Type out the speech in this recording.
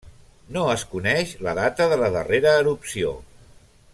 No es coneix la data de la darrera erupció.